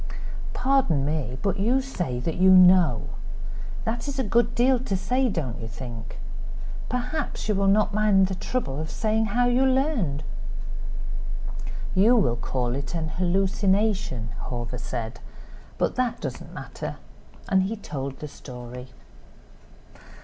"Pardon me. But you say that you know. That is a good deal to say, don't you think? Perhaps you will not mind the trouble of saying how you learned." "You will call it an hallucination," Hawver said, "but that does not matter." And he told the story.